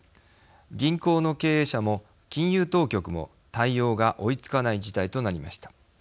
銀行の経営者も金融当局も対応が追いつかない事態となりました。